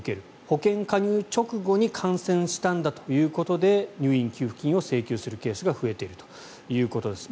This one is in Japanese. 保険加入直後に感染したんだということで入院給付金を請求するケースが増えているということです。